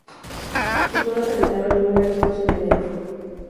Su cola terminaba en un aguijón sin veneno.